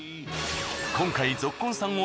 今回ぞっこんさんを